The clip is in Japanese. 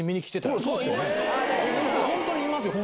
本当にいますよ